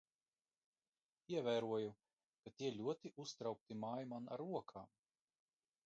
Ievēroju, ka tie ļoti uztraukti māj man ar rokām.